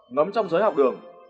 ngấm trong giới học đường